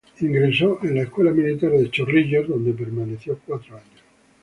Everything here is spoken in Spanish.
Ingresó a la Escuela Militar de Chorrillos, donde permaneció cuatro años.